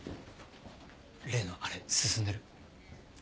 例のあれ進んでる？